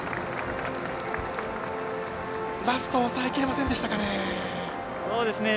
ラスト抑えきれませんでしたかね？